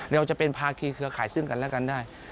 เราจะเป็นภาคีเครือข่ายซึ่งกันและกันได้